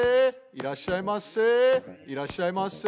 いらっしゃいませ！